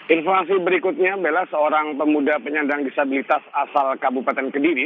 informasi berikutnya bella seorang pemuda penyandang disabilitas asal kabupaten kediri